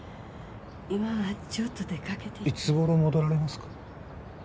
今はちょっと出かけていつごろ戻られますか？